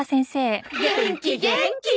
元気元気！